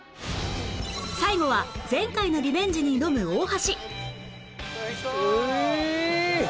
最後は前回のリベンジに挑む大橋